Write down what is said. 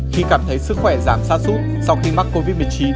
khi cảm thấy sức khỏe giảm sát sút sau khi mắc covid một mươi chín